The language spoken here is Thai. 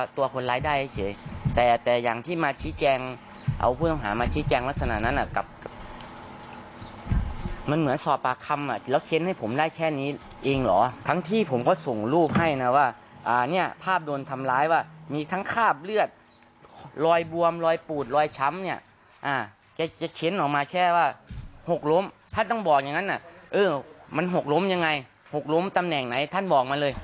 ถ้าต้องบอกอย่างนั้นมันหกล้มอย่างไรหกล้มตำแหน่งไหนท่านบอกมาเลย